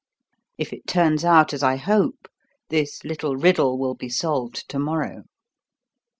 If it turns out as I hope, this little riddle will be solved to morrow."